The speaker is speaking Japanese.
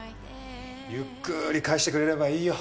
ゆっくーり返してくれればいいよ。